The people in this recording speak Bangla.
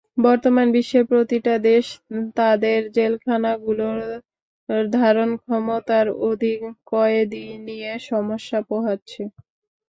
বর্তমান বিশ্বের প্রতিটা দেশ তাদের জেলখানাগুলোর ধারণক্ষমতার অধিক কয়েদী নিয়ে সমস্যা পোহাচ্ছে।